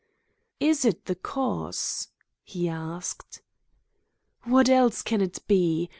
"Is it the cause?" he asked. "What else can it be?